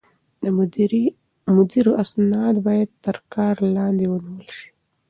د مدير اسناد بايد تر کار لاندې ونيول شي.